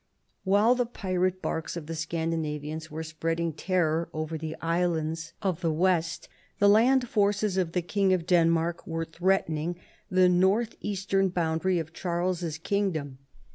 AVhiie the pirate barks of the Scandinavians were spreading terror over the islands of the west, the land forces of the King of Denmark were threat ening the north eastern boundary of Charles's king dom.